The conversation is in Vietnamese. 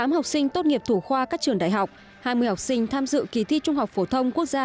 một mươi học sinh tốt nghiệp thủ khoa các trường đại học hai mươi học sinh tham dự kỳ thi trung học phổ thông quốc gia